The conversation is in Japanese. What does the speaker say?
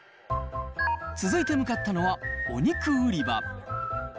続いて向かったのは、お肉売り場。